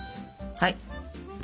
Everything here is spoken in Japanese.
はい。